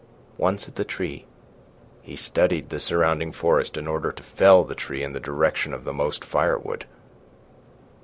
Once at the tree, he studied the surrounding forest in order to fell the tree in the direction of the most firewood.